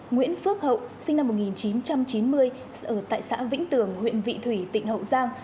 nguyễn phước hậu sinh năm một nghìn chín trăm chín mươi ở tại xã vĩnh tường huyện vị thủy tỉnh hậu giang